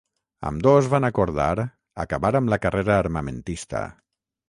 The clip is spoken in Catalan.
Ambdós van acordar acabar amb la carrera armamentista.